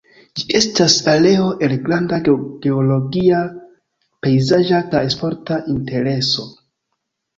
Ĝi estas areo el granda geologia, pejzaĝa kaj sporta intereso.